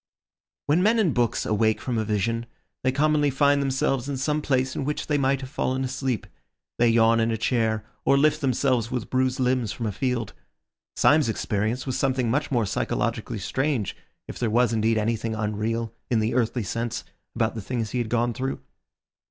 When men in books awake from a vision, they commonly find themselves in some place in which they might have fallen asleep; they yawn in a chair, or lift themselves with bruised limbs from a field. Syme's experience was something much more psychologically strange if there was indeed anything unreal, in the earthly sense, about the things he had gone through.